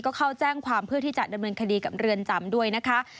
ก็เข้าแจ้งความเพื่อที่จะดำเนินคดีกับเรือนจำด้วยนะคะ